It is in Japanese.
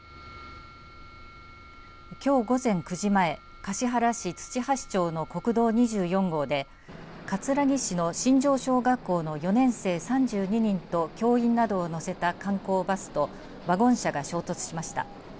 きょう午前９時前橿原市土橋町の国道２４号で葛城市の新庄小学校の４年生３２人と教員などを乗せた観光バスとワゴン車が衝突しました。